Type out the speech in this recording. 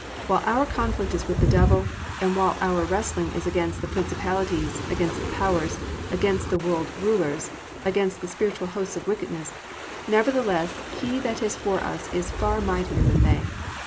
While our conflict is with the Devil, and while our wrestling is against "the principalities," against "the powers," against "the world rulers," against "the spiritual hosts of wickedness," nevertheless He that is for us is far mightier than they.